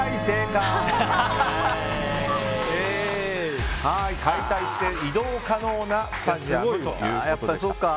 解体して移動可能なスタジアムということでした。